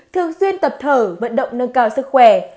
thường xuyên tập thở vận động nâng cao sức khỏe